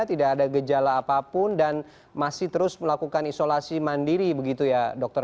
tidak ada gejala apapun dan masih terus melakukan isolasi mandiri begitu ya dokter